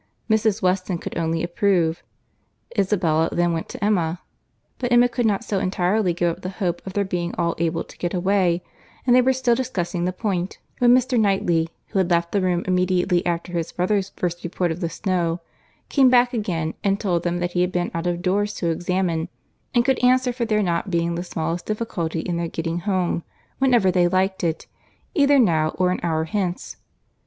Mrs. Weston could only approve. Isabella then went to Emma; but Emma could not so entirely give up the hope of their being all able to get away; and they were still discussing the point, when Mr. Knightley, who had left the room immediately after his brother's first report of the snow, came back again, and told them that he had been out of doors to examine, and could answer for there not being the smallest difficulty in their getting home, whenever they liked it, either now or an hour hence.